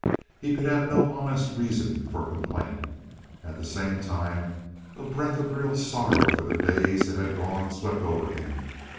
He could have no honest reason for complaint. At the same time a breath of real sorrow for the days that had gone swept over him.